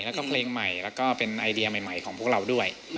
แล้วก็เพลงใหม่แล้วก็เป็นไอเดียใหม่ของพวกเราด้วย